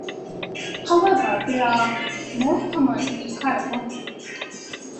However they are most common in California.